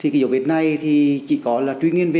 cái vết này thì chỉ có là truy nguyên vết